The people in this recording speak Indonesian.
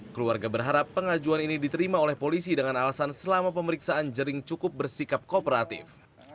keluarga berharap pengajuan ini diterima oleh polisi dengan alasan selama pemeriksaan jering cukup bersikap kooperatif